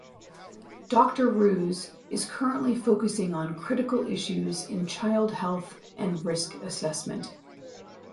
Doctor Roos is currently focusing on critical issues in child health and risk assessment.